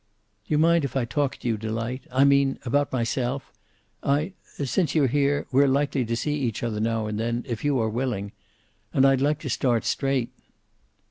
"Do you mind if I talk to you, Delight? I mean, about myself? I since you're here, we're likely to see each other now and then, if you are willing. And I'd like to start straight."